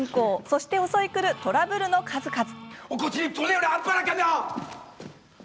そして、襲い来るトラブルの数々。